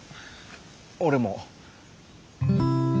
俺も。